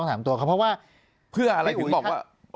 ปากกับภาคภูมิ